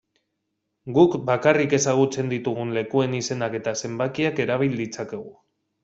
Guk bakarrik ezagutzen ditugun lekuen izenak eta zenbakiak erabil ditzakegu.